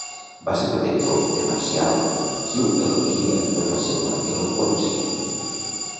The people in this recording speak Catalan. Va ser protector de Marcial qui ho elogia per la seua eloqüència.